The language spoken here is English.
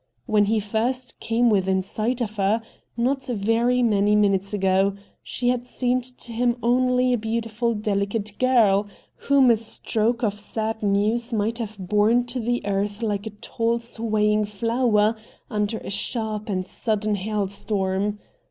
When he first came within sight of her, not very many minutes ago, she THE CULTURE COLLEGE 197 had seemed to him only a beautiful delicate girl, whom a stroke of sad news might have borne to the earth like a tall swaying flower under a sharp and sudden hailstorm.